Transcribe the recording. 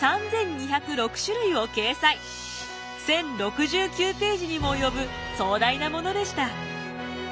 １，０６９ページにも及ぶ壮大なものでした。